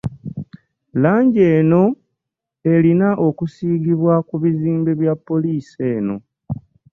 Langi eno erina okusiigibwa ku bizimbe bya poliisi eno.